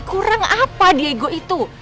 kurang apa dego itu